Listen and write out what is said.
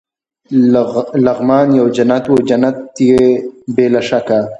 لغمان یو جنت وو، جنت يې بې له شکه.